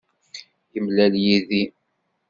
Yemlal yid-i.